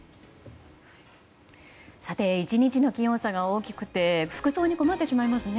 １日の気温差が大きくて服装に困ってしまいますね。